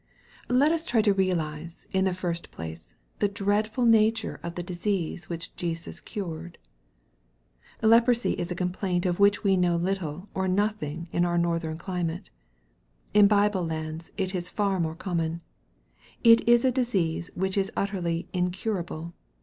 Let us try to realize, in the first place, the dreadful nature of the disease which Jesus cured. Leprosy is a complaint of which we know little or nothing in our northern climate. In Bible lands it is far more common. It is a disease which is utterly incurable.